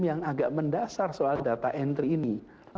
yang agak mendasar soal data entry ini